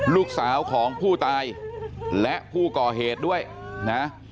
ลูกสาวของผู้ตายและผู้ก่อเหตุด้วยนะ